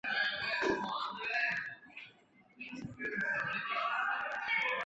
这些作品已到达调性的底线。